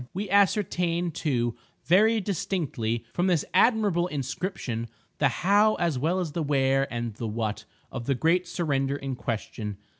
We ascertain, too, very distinctly, from this admirable inscription, the how as well as the where and the what, of the great surrender in question.